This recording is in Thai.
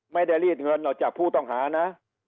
ไม่ได้รีดเงินออกจากผู้ต้องหานะ